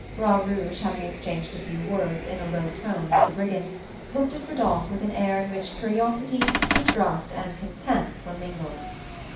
Bras Rouge having exchanged a few words, in a low tone, with the brigand, looked at Rodolph with an air in which curiosity, distrust, and contempt were mingled.